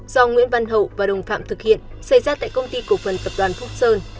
do nguyễn văn hậu và đồng phạm thực hiện xảy ra tại công ty cổ phần tập đoàn phúc sơn